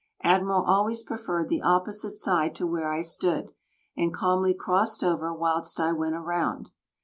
"Admiral" always preferred the opposite side to where I stood, and calmly crossed over whilst I went round.